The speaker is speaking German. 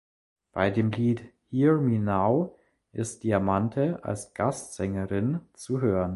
Bei dem Lied "Hear Me Now" ist Diamante als Gastsängerin zu hören.